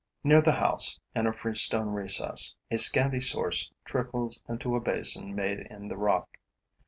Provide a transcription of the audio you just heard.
Near the house, in a freestone recess, a scanty source trickles into a basin made in the rock..